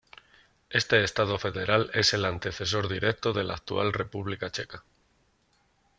Este estado federal es el antecesor directo de la actual República Checa.